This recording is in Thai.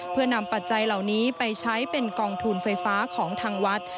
เพื่อนำปัจจัยเหล่านี้ไปใช้เป็นกองทุนไฟฟ้าของทางวัด